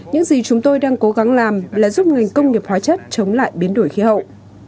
những gì chúng tôi đang cố gắng làm là giúp ngành công nghiệp hóa chất chống lại biến đổi khí hậu